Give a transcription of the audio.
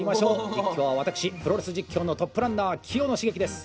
実況は私、プロレス実況のトップランナー清野茂樹です。